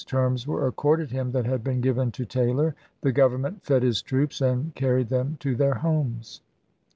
terms were accorded him that had been given to Taylor — the Government fed his troops and car ried them to their homes.